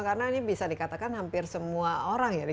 karena ini bisa dikatakan hampir semua orang ya